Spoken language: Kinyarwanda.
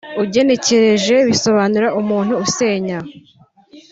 Ugenekereje bisobanura ‘umuntu usenya’